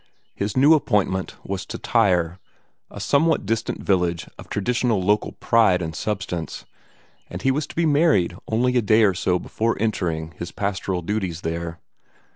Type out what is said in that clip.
His new appointment was to Tyre a somewhat distant village of traditional local pride and substance and he was to be married only a day or so before entering upon his pastoral duties there.